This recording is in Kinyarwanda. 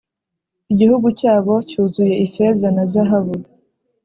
Igihugu cyabo cyuzuye ifeza na zahabu